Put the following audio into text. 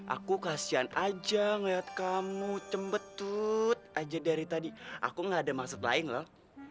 aku kasian aja ngeliat kamu cembetut aja dari tadi aku gak ada maksud lain loh